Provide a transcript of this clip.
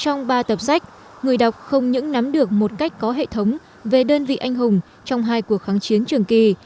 trong ba tập sách người đọc không những nắm được một cách có hệ thống về đơn vị anh hùng trong hai cuộc kháng chiến trường kỳ